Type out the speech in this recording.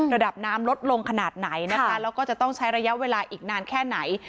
ระดับน้ำลดลงขนาดไหนนะคะแล้วก็จะต้องใช้ระยะเวลาอีกนานแค่ไหน